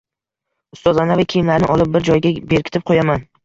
Ustoz, anavi kiyimlarni olib, bir joyga berkitib qoʻyaman